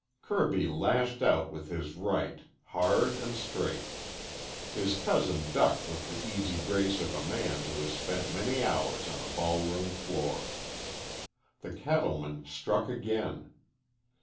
Kirby lashed out with his right, hard and straight. His cousin ducked with the easy grace of a man who has spent many hours on a ballroom floor. The cattleman struck again.